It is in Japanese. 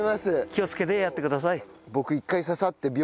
気をつけてやってください。